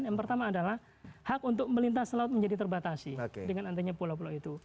yang pertama adalah hak untuk melintas laut menjadi terbatasi dengan adanya pulau pulau itu